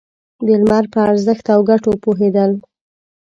د لمر په ارزښت او گټو پوهېدل.